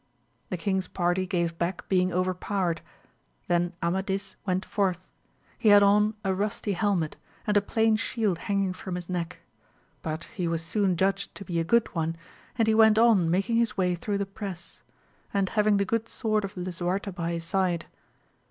The king's party gave back being overpowered ; then Amadis went forth ; he had on a rusty helmet, and a plain shield hanging from his neck ; but he was soon judged to be a good one, and he went on making his way through the press; and having the good sword of Lisuarte by his side.